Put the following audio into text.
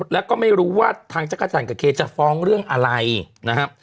แล้วก็ไม่รู้ว่าทางจักรจันทร์กับเคจะฟ้องเรื่องอะไรนะครับ